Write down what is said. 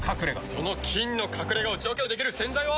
その菌の隠れ家を除去できる洗剤は。